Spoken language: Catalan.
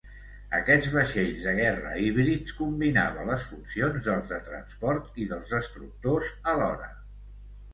Aquests vaixells de guerra híbrids combinaven les funcions dels de transport i dels destructors alhora.